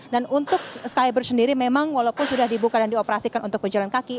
dan untuk skybridge sendiri memang walaupun sudah dibuka dan dioperasikan untuk pejalan kaki